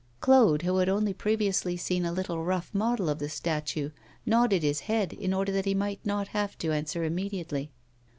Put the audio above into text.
Claude, who had only previously seen a little rough model of the statue, nodded his head, in order that he might not have to answer immediately.